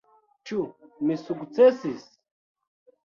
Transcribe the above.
Ĉu mi sukcesis?